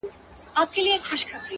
نور په ما مه کوه هوس راپسې وبه ژاړې”